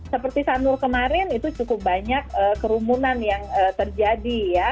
seperti sanur kemarin itu cukup banyak kerumunan yang terjadi ya